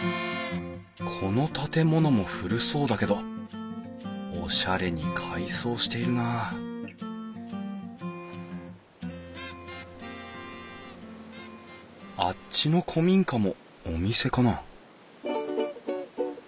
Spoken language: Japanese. この建物も古そうだけどおしゃれに改装しているなあっちの古民家もお店かな？